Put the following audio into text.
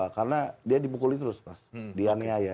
karena dia dipukuli terus pas dianiaya